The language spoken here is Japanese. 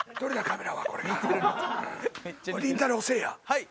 「はい！